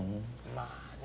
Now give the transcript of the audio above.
まあね。